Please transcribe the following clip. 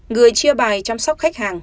người chia bài chăm sóc khách hàng